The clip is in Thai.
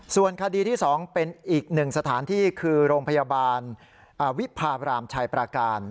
ส่วนคดีที่๒เป็นอีกหนึ่งสถานที่คือโรงพยาบาลวิพาบรามชายปราการ